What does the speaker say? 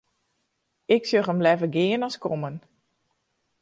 Ik sjoch him leaver gean as kommen.